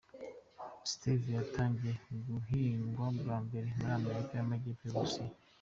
Stevia yatangiye guhingwa bwa mbere muri Amerika y’Amajyepfo n’u Bushinwa.